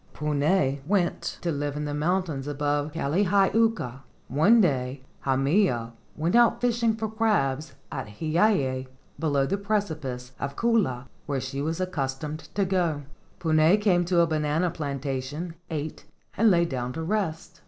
Puna went to live in the moun¬ tains above Kalihi uka. One day Haumea went out fishing for crabs at Heeia, below the precipice of Koolau, where she was accustomed to go. Puna came to a banana plantation, ate, and lay down to rest.